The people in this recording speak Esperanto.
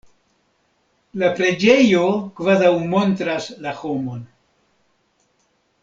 La preĝejo kvazaŭ montras la homon.